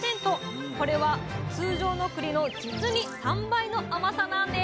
これは通常のくりのじつに３倍の甘さなんです